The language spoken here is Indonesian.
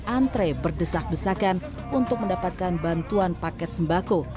antre berdesak desakan untuk mendapatkan bantuan paket sembako